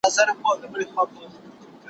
دوى به يو پر بل كوله گوزارونه